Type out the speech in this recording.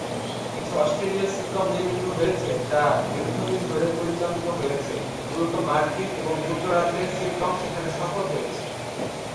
কিছু অস্ট্রেলীয় সিটকম নির্মিত হয়েছে যা দীর্ঘদিন ধরে পরিচালিত হয়েছে; মূলত মার্কিন এবং যুক্তরাজ্যের সিটকম সেখানে সফল হয়েছে।